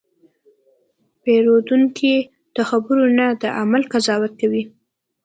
پیرودونکی د خبرو نه، د عمل قضاوت کوي.